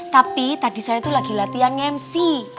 tapi tadi saya tuh lagi latihan mc